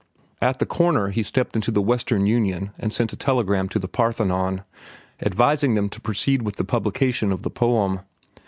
At the corner he stepped into the Western Union and sent a telegram to The Parthenon, advising them to proceed with the publication of the poem.